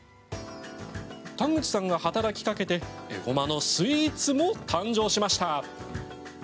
田口さんが働きかけてえごまのスイーツも誕生しました。